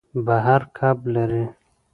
بحر کب لري.